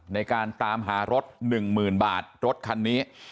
ในการตามหารถ๑๐๐๐บาทรถคันนี้